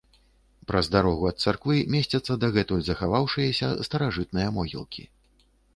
Праз дарогу ад царквы месцяцца дагэтуль захаваўшыяся старажытныя могілкі.